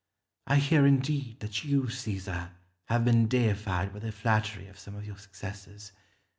I hear, indeed, that you, Caesar, have been deified by the flattery of some of your successors.